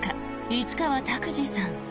市川拓司さん。